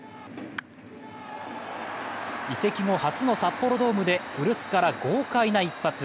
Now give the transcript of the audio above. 移籍後初の札幌ドームで古巣から豪快な一発。